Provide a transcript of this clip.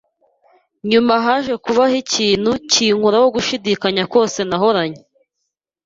Nyuma haje kubaho ikintu, kinkuraho gushidikanya kose nahoranye